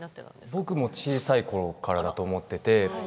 僕も小さいころからだと思ってて。